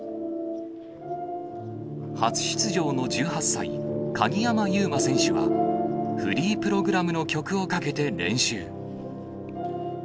初出場の１８歳、鍵山優真選手は、フリープログラムの曲をかけて練習。